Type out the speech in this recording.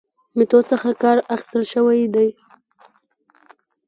میتود څخه کار اخستل شوی دی.